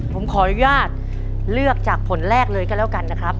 ผมขออนุญาตเลือกจากผลแรกเลยก็แล้วกันนะครับ